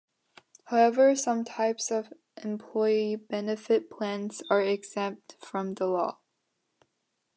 However, some types of employee benefit plans are exempt from the law.